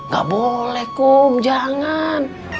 gak boleh kum jangan